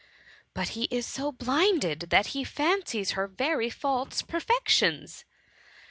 """ But he is so blinded that he fancies her very faults perfections.''